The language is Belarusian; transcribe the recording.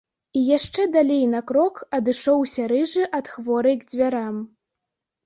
І яшчэ далей на крок адышоўся рыжы ад хворай к дзвярам.